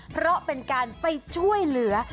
เพราะเป็นการไปช่วยเหลือ